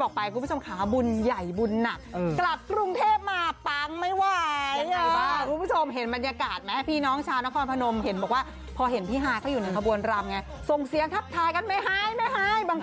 มันก็ยังได้สิทธิ์ไว้ในทางที่สอบ